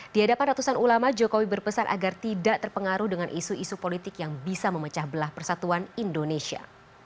di hadapan ratusan ulama jokowi berpesan agar tidak terpengaruh dengan isu isu politik yang bisa memecah belah persatuan indonesia